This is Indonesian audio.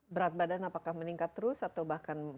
berat badan apakah meningkat terus atau bahkan